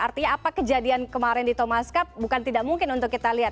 artinya apa kejadian kemarin di thomas cup bukan tidak mungkin untuk kita lihat